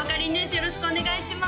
よろしくお願いします